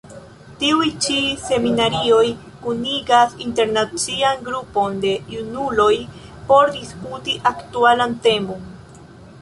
Tiuj ĉi seminarioj kunigas internacian grupon de junuloj por diskuti aktualan temon.